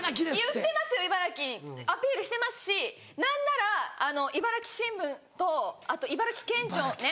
言ってますよ「いばらき」アピールしてますし何なら茨城新聞とあと茨城県庁ね